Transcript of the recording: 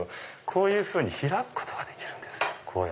こういうふうに開くことができるんです。